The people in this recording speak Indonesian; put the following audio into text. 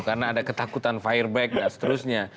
karena ada ketakutan fireback dan seterusnya